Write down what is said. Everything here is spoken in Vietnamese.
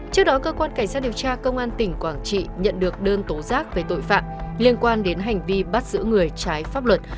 trước đó cơ quan cảnh sát điều tra công an tỉnh quảng trị nhận được đơn tố giác về tội phạm liên quan đến hành vi bắt giữ người trái pháp luật